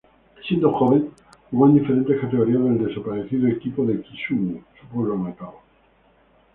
Siendo joven jugó en diferentes categorías del desparecido equipo de Kisumu, su pueblo natal.